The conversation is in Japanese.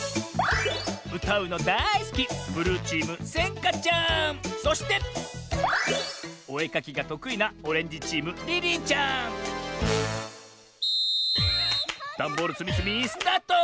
うたうのだいすきそしておえかきがとくいなダンボールつみつみスタート！